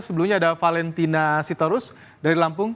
sebelumnya ada valentina sitorus dari lampung